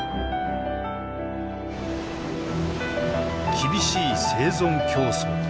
厳しい生存競争。